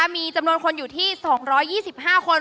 มีจำนวนคนอยู่ที่๒๒๕คน